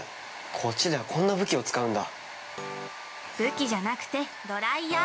こっちではこんな武器を使うんだ。